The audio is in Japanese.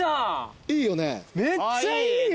めっちゃいいよ。